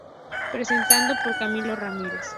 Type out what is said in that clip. Presentado por Camilo Ramírez.